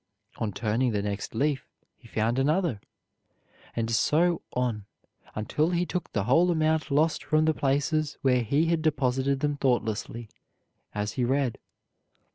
On turning the next leaf he found another, and so on until he took the whole amount lost from the places where he had deposited them thoughtlessly, as he read.